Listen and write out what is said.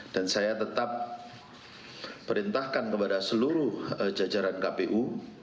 dan saya tetap perintahkan kepada seluruh jajaran kpu